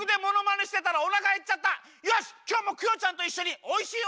よしきょうもクヨちゃんといっしょにおいしいおやつつくっちゃおう！